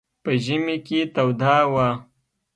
په ژمي کې توده وه.